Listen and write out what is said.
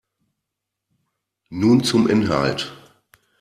Nun zum Inhalt.